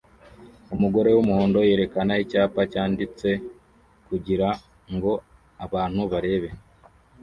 Umugore wumuhondo yerekana icyapa cyanditse kugirango abantu barebe